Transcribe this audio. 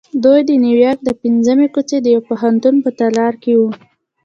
دوی د نیویارک د پنځمې کوڅې د یوه پوهنتون په تالار کې وو